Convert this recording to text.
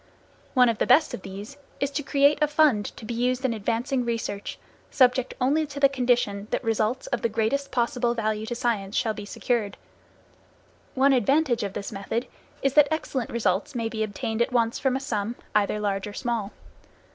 One of the best of these is to create a fund to be used in advancing research, subject only to the condition that results of the greatest possible value to science shall be secured. One advantage of this method is that excellent results may be obtained at once from a sum, either large or small.